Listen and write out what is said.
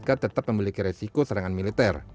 ibu kota tetap memiliki resiko serangan militer